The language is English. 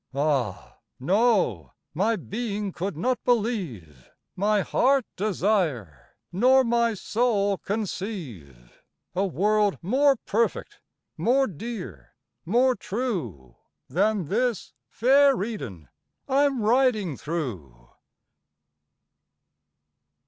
Ah! no, my being could not believe, My heart desire, nor my soul conceive, A world more perfect, more dear, more true, Than this fair Eden I'm riding through.